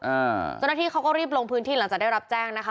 เจ้าหน้าที่เขาก็รีบลงพื้นที่หลังจากได้รับแจ้งนะคะ